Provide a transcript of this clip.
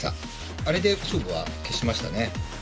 あれで勝負は決しましたね。